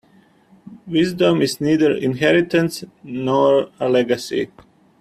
Wisdom is neither inheritance nor a legacy.